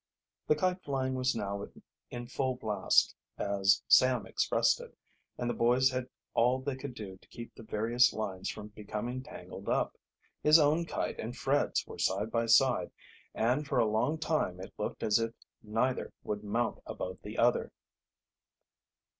The kite flying was now in "full blast," as Sam expressed it, and the boys had all they could do to keep the various lines from becoming tangled up. His own kite and Fred's were side by side and for a long time it looked as if neither would mount above the other.